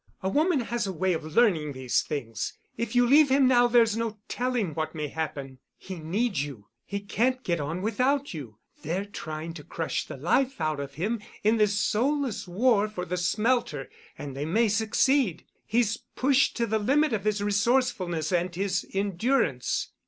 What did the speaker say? A woman has a way of learning these things. If you leave him now there's no telling what may happen. He needs you. He can't get on without you. They're trying to crush the life out of him in this soulless war for the smelter, and they may succeed. He's pushed to the limit of his resourcefulness and his endurance.